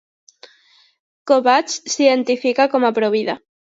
Kobach s'identifica com a pro-vida.